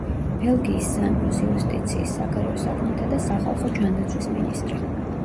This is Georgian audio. ბელგიის სამეფოს იუსტიციის, საგარეო საქმეთა და სახალხო ჯანდაცვის მინისტრი.